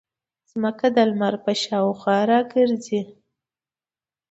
ځمکه د لمر په شاوخوا ګرځي.